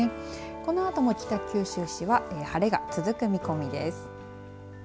このあとも北九州市は晴れが続く見込みです。